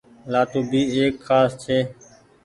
لآٽون ڀي ايڪ کآس ڇي۔